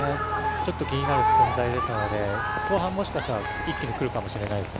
ちょっと気になる存在ですので、もしかしたら後半、一気に来るかもしれないです。